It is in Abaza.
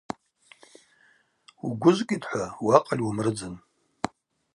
Угвыжвкӏитӏхӏва уакъыль уымрыдзын.